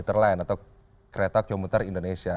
literland atau kereta komuter indonesia